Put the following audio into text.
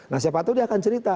nah siapa tahu dia akan cerita